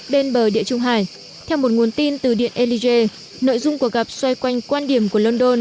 bên bờ địa trung hải theo một nguồn tin từ điện élyjé nội dung cuộc gặp xoay quanh quan điểm của london